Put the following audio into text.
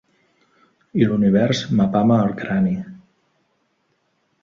I l’univers m’apama el crani.